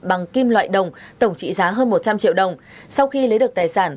bằng kim loại đồng tổng trị giá hơn một trăm linh triệu đồng sau khi lấy được tài sản